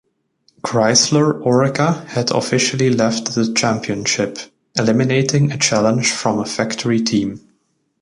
Chrysler-Oreca had officially left the championship, eliminating a challenge from a factory team.